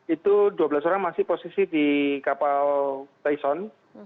itu dua belas orang masih posisi di kapal tyson